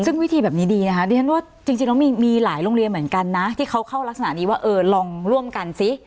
ซึ่งวิธีแบบนี้ดีนะคะดิฉันว่าจริงแล้วมีหลายโรงเรียนเหมือนกันนะที่เขาเข้ารักษณะนี้ว่าเออลองร่วมกันซิ